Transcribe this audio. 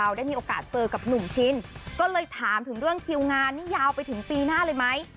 ได้มีโอกาสเจอกับหนุ่มชินก็เลยถามถึงเรื่องคิวงานนี่ยาวไปถึงปีหน้าเลยไหม